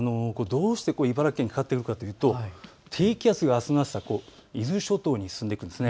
どうして茨城県にかかってくるかというと低気圧があすの朝、伊豆諸島に進んでいくんです。